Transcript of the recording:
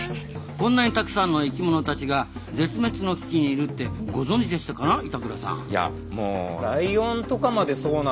こんなにたくさんの生きものたちが絶滅の危機にいるってご存じでしたかな？